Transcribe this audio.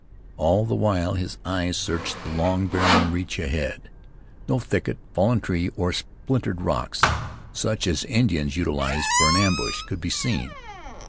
All the while his eyes searched the long, barren reach ahead. No thicket, fallen tree, or splintered rocks, such as Indians utilized for an ambush, could be seen.